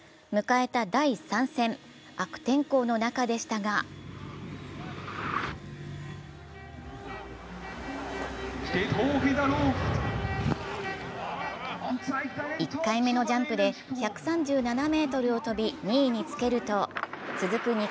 迎えた第３戦、悪天候の中でしたが１回目のジャンプで１３７ｍを飛び、２位につけると続く